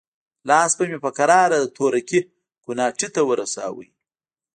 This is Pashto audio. لاس به مې په کراره د تورکي کوناټي ته ورساوه.